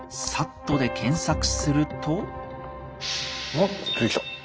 あっ出てきた！